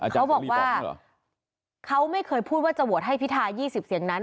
เขาบอกว่าเขาไม่เคยพูดว่าจะโหวตให้พิทา๒๐เสียงนั้น